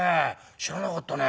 知らなかったね。